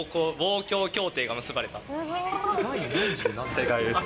正解です。